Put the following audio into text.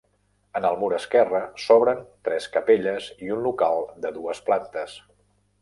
En el mur esquerre s'obren tres capelles i un local de dues plantes.